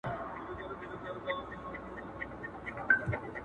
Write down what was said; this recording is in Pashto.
څه ښه زمانه وه